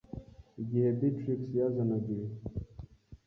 Igihe Beatrix yazanaga ibi